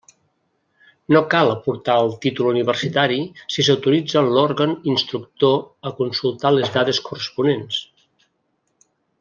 No cal aportar el títol universitari si s'autoritza l'òrgan instructor a consultar les dades corresponents.